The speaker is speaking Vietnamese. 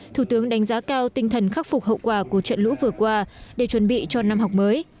thủ tướng đánh giá cao tinh thần khắc phục hậu quả của trận lũ vừa qua để chuẩn bị cho năm học mới